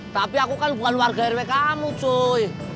tapi aku kan bukan warga rw kamu joy